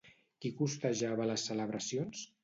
Qui costejava les celebracions?